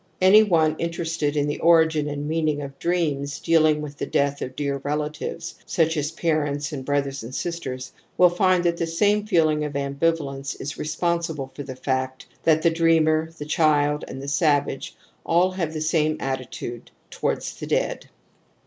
Any one interested in the origin and meaning of dreams dealing with the death of dear relatives such as parents and brothers and sisters will find that the same feeling of ambivalence is respon sible for the fact that the dreamer, the child, and the savage all have the same attitude towards the dead".